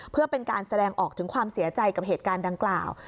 เพื่อเป็นการแสดงออกถึงความเสียใจกับเหตุการณ์ดังกล่าว